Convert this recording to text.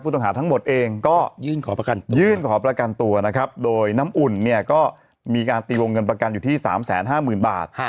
ต้องหาทั้งหมดเองก็ยื่นขอประกันยื่นขอประกันตัวนะครับโดยน้ำอุ่นเนี่ยก็มีการตีวงเงินประกันอยู่ที่๓๕๐๐๐บาท